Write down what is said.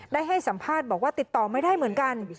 ให้สัมภาษณ์บอกว่าติดต่อไม่ได้เหมือนกัน